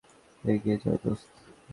এগিয়ে যাও দোস্ত।